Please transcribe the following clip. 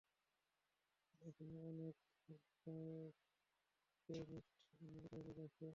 এখানে অনেক বায়োকেমিস্ট, মিলিটারির লোক আছে!